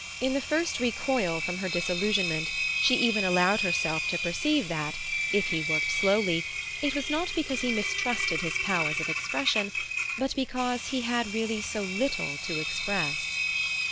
In the first recoil from her disillusionment she even allowed herself to perceive that, if he worked slowly, it was not because he mistrusted his powers of expression, but because he had really so little to express.